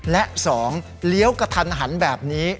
และ๒เลี้ยวกระทันหันแบบนี้